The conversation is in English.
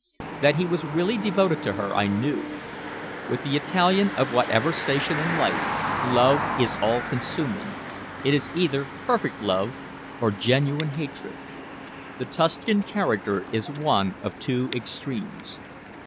That he was really devoted to her, I knew. With the Italian of whatever station in life, love is all consuming it is either perfect love or genuine hatred. The Tuscan character is one of two extremes.